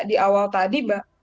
di awal tadi mbak